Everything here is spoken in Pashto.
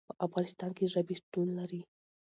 په افغانستان کې ژبې شتون لري.